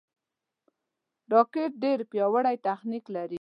راکټ ډېر پیاوړی تخنیک لري